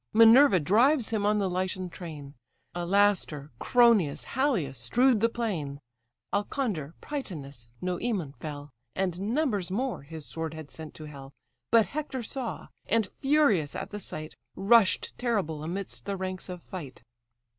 Minerva drives him on the Lycian train; Alastor, Cronius, Halius, strew'd the plain, Alcander, Prytanis, Noëmon fell: And numbers more his sword had sent to hell, But Hector saw; and, furious at the sight, Rush'd terrible amidst the ranks of fight.